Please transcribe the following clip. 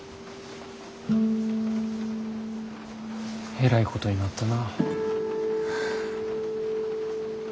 えらいことになったな。